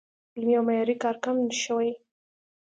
علمي او معیاري کار کم شوی